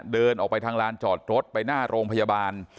เดินออกไปทางลานจอดรถไปหน้าโรงพยาบาล